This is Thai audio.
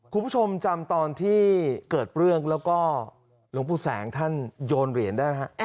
คุณผู้ชมจำตอนที่เกิดเรื่องแล้วก็หลวงปู่แสงท่านโยนเหรียญได้ไหมฮะ